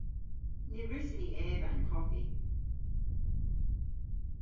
Ny wrussyn ni eva an koffi.